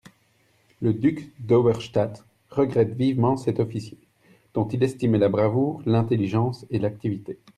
Le duc d'Auerstaedt regrette vivement cet officier, dont il estimait la bravoure, l'intelligence et l'activité.